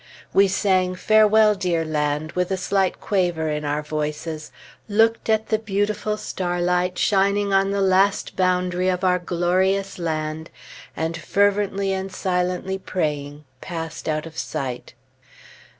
We sang, "Farewell dear land," with a slight quaver in our voices, looked at the beautiful starlight shining on the last boundary of our glorious land, and, fervently and silently praying, passed out of sight.